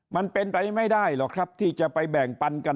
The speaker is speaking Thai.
มันเป็นไปไม่ได้หรอกครับที่จะไปแบ่งปันกัน